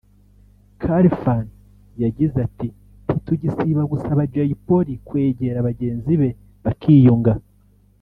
Khalifan yagize ati” Ntitugisiba gusaba Jay Polly kwegera bagenzi be bakiyunga